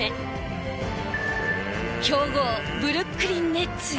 強豪ブルックリン・ネッツへ。